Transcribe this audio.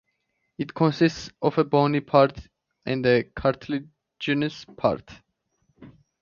It consists of a bony part and a cartilaginous part.